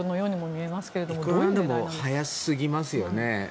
いくらなんでも早すぎますよね。